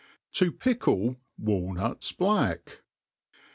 ' To' pi die Walnuts black.